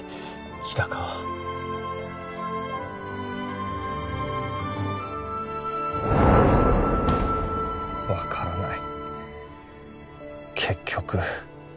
日高は分からない